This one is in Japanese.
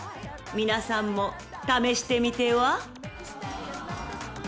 ［皆さんも試してみては？］